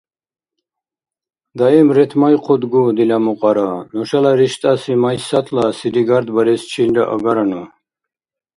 Даим ретмайхъудгу, дила мукьара, нушала риштӀаси Майсатла сири гардбарес чилра агарану.